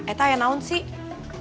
eh tanya naun sih